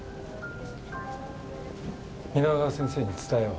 皆川先生に伝えよう。